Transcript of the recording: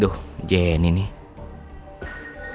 duh jenny nih